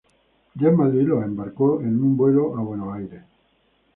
Ya en Madrid los embarcó en un vuelo a Buenos Aires.